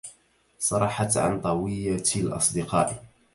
صرحت عن طوية الأصدقاء